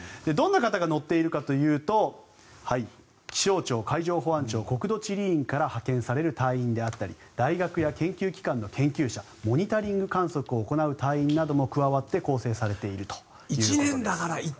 どんな方が乗っているかというと気象庁、海上保安庁国土地理院から派遣される隊員であったり大学や研究機関の研究者モニタリング観測を行う隊員なども加わって行われるということです。